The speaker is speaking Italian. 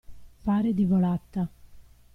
Fare di volata.